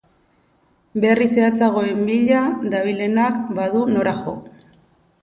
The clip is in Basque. Berri zehatzagoen bila dabilenak badu nora jo.